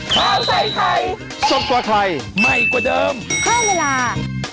ข้าวใส่ไทยสดกว่าไทยใหม่กว่าเดิมเพิ่มเวลา